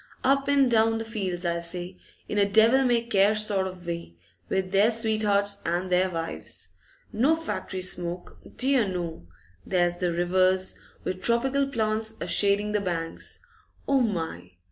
Up an' down the fields, I say, in a devil may care sort of way, with their sweethearts and their wives. No factory smoke, dear no! There's the rivers, with tropical plants a shading the banks, O my!